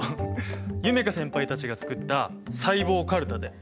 夢叶先輩たちがつくった細胞かるただよ。